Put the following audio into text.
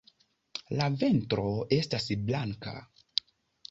La ventro estas blanka.